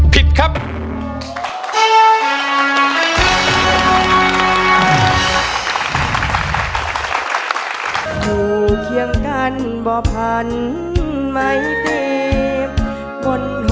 ผิดครับ